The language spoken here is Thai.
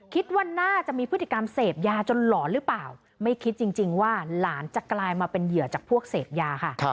คิดว่าน่าจะมีพฤติกรรมเสพยาจนหลอนหรือเปล่าไม่คิดจริงว่าหลานจะกลายมาเป็นเหยื่อจากพวกเสพยาค่ะ